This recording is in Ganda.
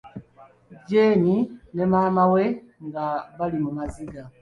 Jeeni ne maama we nga bali mu maziga.